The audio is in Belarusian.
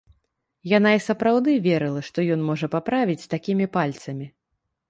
Яна і сапраўды верыла, што ён можа паправіць з такімі пальцамі.